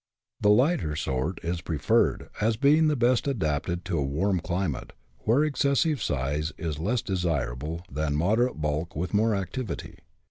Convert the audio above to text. The lighter sort is preferred, as being best adapted to a warm climate, where excessive size is less desir able than moderate bulk with more activity.